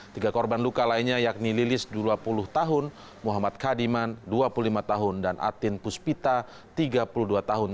tiga korban luka lainnya yakni lilis dua puluh tahun muhammad kadiman dua puluh lima tahun dan atin puspita tiga puluh dua tahun